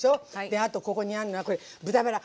であとここにあるのが豚バラ。